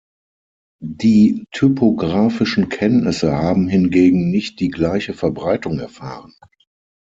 Die typografischen Kenntnisse haben hingegen nicht die gleiche Verbreitung erfahren.